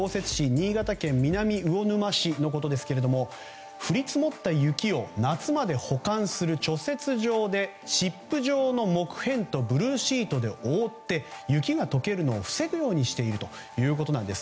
新潟県南魚沼市のことですが降り積もった雪を夏まで保管する貯雪場でチップ状の木片とブルーシートで覆って雪が解けるのを防ぐようにしているということです。